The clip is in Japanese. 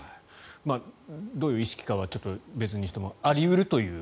どういう意識かは別にしてもあり得るという。